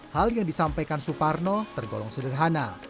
hal yang disampaikan suparno tergolong sederhana